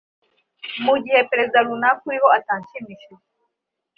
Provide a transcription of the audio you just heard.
mu gihe Perezida runaka uriho atabashimishije